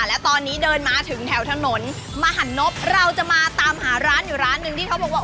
และตอนนี้เดินมาถึงแถวถนนมหันนบเราจะมาตามหาร้านอยู่ร้านหนึ่งที่เขาบอกว่า